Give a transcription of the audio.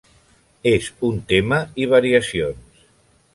És un tema i variacions.